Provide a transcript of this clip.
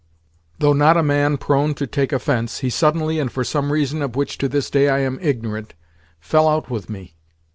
Though not a man prone to take offence, he suddenly, and for some reason of which to this day I am ignorant, fell out with me.